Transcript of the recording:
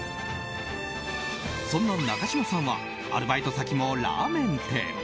そんな中嶋さんはアルバイト先もラーメン店。